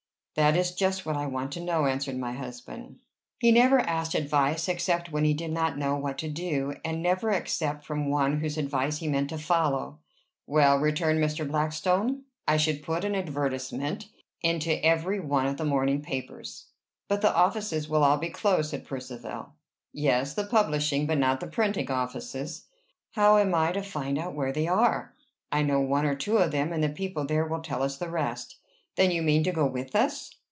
"That is just what I want to know," answered my husband. He never asked advice except when he did not know what to do; and never except from one whose advice he meant to follow. "Well," returned Mr. Blackstone, "I should put an advertisement into every one of the morning papers." "But the offices will all be closed," said Percivale. "Yes, the publishing, but not the printing offices." "How am I to find out where they are?" "I know one or two of them, and the people there will tell us the rest." "Then you mean to go with us?"